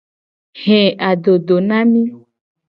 He adodo na mi.